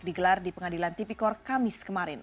digelar di pengadilan tipikor kamis kemarin